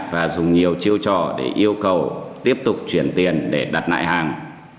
và dùng nhiều chiêu trò để yêu cầu tiếp tục chuyển tiền để đặt lại hàng